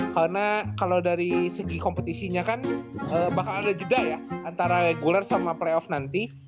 karena kalau dari segi kompetisinya kan bakal ada jeda ya antara reguler sama playoff nanti